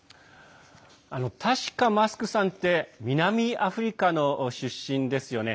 確か、マスクさんって南アフリカの出身ですよね。